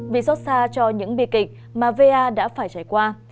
vì xót xa cho những bi kịch mà va đã phải trải qua